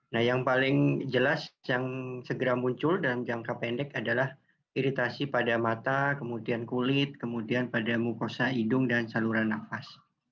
nah yang paling jelas yang segera muncul dalam jangka pendek adalah iritasi pada mata kemudian kulit kemudian pada mukosa hidung dan saluran nafas